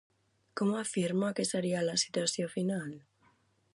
Com afirma que seria la situació final?